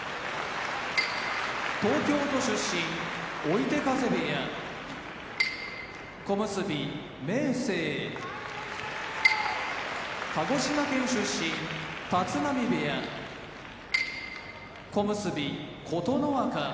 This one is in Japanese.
東京都出身追手風部屋小結・明生鹿児島県出身立浪部屋小結・琴ノ若千葉県出身